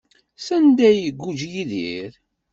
Sanda ay iguǧǧ Yidir?